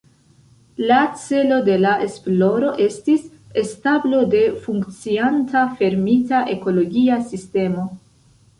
La celo de la esploro estis establo de funkcianta fermita ekologia sistemo.